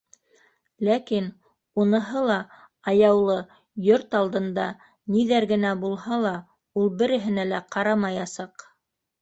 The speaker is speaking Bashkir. Ләкин уныһы ла аяулы, йорт алдында... ниҙәр генә булһа ла, ул береһенә лә ҡарамаясаҡ.